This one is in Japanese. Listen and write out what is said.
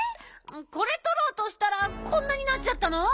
これとろうとしたらこんなになっちゃったの？